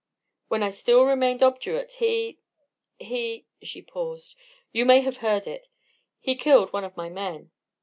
When I still remained obdurate, he he" she paused. "You may have heard of it. He killed one of my men."